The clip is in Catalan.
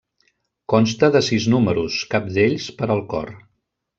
Consta de sis números, cap d'ells per al cor.